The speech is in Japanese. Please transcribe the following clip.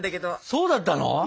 そうだったの？